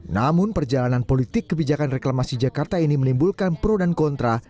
namun perjalanan politik kebijakan reklamasi jakarta ini menimbulkan pro dan kontra